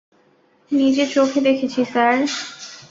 নিজে চোখে দেখেছি স্যার!